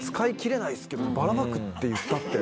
ばらまくっていったって。